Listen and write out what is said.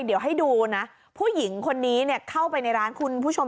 เดี๋ยวให้ดูนะผู้หญิงคนนี้เข้าไปในร้านคุณผู้ชม